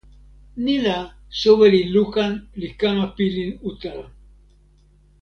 ni la, soweli Lukan li kama pilin utala.